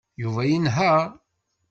Yuba yenheṛ.